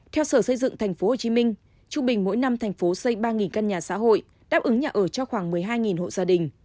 theo sở xây dựng tp hcm trung bình mỗi năm thành phố xây ba căn nhà xã hội đáp ứng nhà ở cho khoảng một mươi hai hộ gia đình